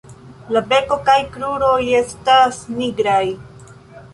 La beko kaj kruroj estas nigraj.